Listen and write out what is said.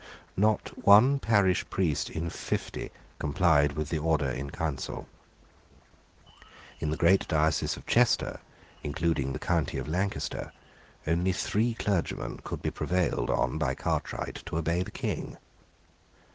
Not one parish priest in fifty complied with the Order in Council. In the great diocese of Chester, including the county of Lancaster, only three clergymen could be prevailed on by Cartwright to obey the King.